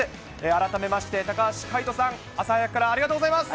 改めまして、高橋海人さん、朝早くからありがとうございます。